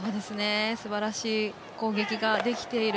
すばらしい攻撃ができている。